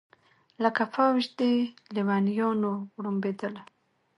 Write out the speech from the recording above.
لکه فوج د لېونیانو غړومبېدله